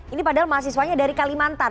ini padahal mahasiswanya dari kalimantan